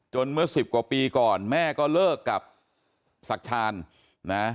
เมื่อ๑๐กว่าปีก่อนแม่ก็เลิกกับศักดิ์ชาญนะ